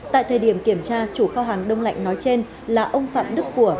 tại thời điểm kiểm tra chủ kho hàng đông lạnh nói trên là ông phạm đức của